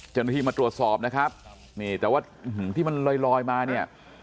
เจ้าหน้าที่มาตรวจสอบนะครับนี่แต่ว่าที่มันลอยมาเนี่ย